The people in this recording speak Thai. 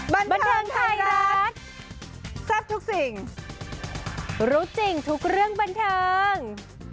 บันเทิงไทยรัฐแซ่บทุกสิ่งรู้จริงทุกเรื่องบันเทิง